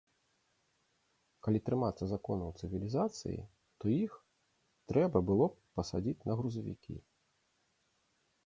Калі трымацца законаў цывілізацыі, то іх трэба было б пасадзіць на грузавікі.